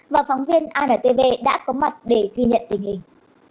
và phóng viên antv đã có mặt để ghi nhận tình hình